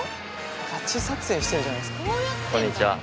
ガチ撮影してんじゃないですか。